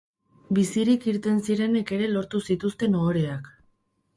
Bizirik irten zirenek ere lortu zituzten ohoreak.